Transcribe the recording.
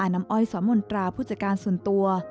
อ้อยสมนตราผู้จัดการส่วนตัว